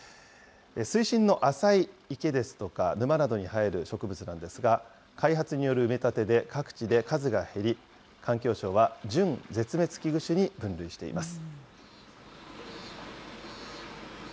水深の浅い池ですとか、沼などに生える植物なんですが、開発による埋め立てで各地で数が減り、環境省は準絶滅危惧種に分類しています。